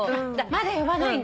まだ呼ばないんだ。